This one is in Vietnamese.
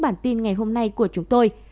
bản tin ngày hôm nay của chúng tôi